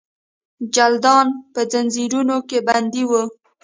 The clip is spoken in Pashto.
جلادان به ځنځیرونو کې بندي وي.